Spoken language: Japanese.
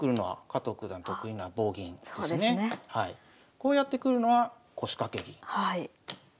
こうやって来るのは腰掛け銀。